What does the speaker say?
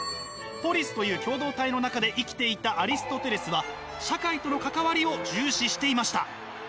ポリスという共同体の中で生きていたアリストテレスは社会との関わりを重視していました。